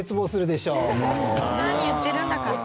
何言ってるんだか。